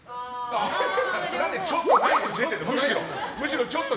何でちょっとナイスなの？